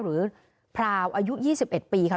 หรือพราวอายุ๒๑ปีค่ะ